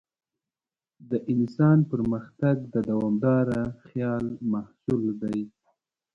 د انسان پرمختګ د دوامداره خیال محصول دی.